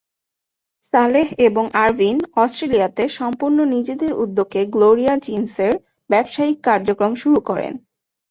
সালেহ এবং আরভিন অস্ট্রেলিয়াতে সম্পূর্ণ নিজেদের উদ্যোগে গ্লোরিয়া জিন’সের ব্যবসায়িক কার্যক্রম শুরু করেন।